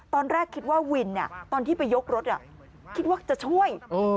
ตอนแรกคิดว่าวินเนี่ยตอนที่ไปยกรถเนี่ยคิดว่าจะช่วย